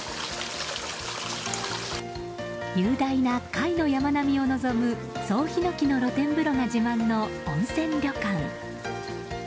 雄大な甲斐の山並みを望む総ヒノキの露天風呂が自慢の温泉旅館。